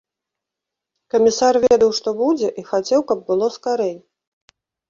Камісар ведаў, што будзе, і хацеў, каб было скарэй.